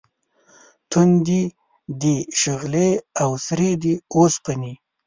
تُندې دي شغلې او سرې دي اوسپنې